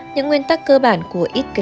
những nguyên tắc cơ bản của eat clean